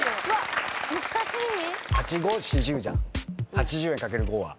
８０円掛ける５は。